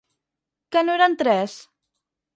Que no eren tres?